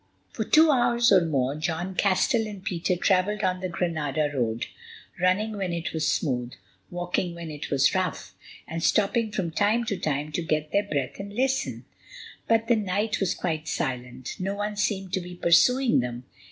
For two hours or more John Castell and Peter travelled on the Granada road, running when it was smooth, walking when it was rough, and stopping from time to time to get their breath and listen. But the night was quite silent, no one seemed to be pursuing them.